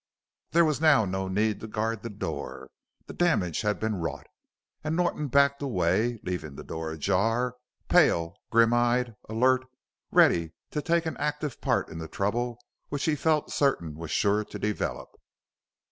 There was now no need to guard the door; the damage had been wrought, and Norton backed away, leaving the door ajar, pale, grim eyed, alert, ready to take an active part in the trouble which he felt certain was sure to develop.